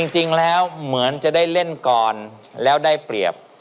จริงแล้วเหมือนจะได้เล่นก่อนแล้วได้เปรียบ